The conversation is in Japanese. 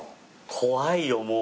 怖いよもう。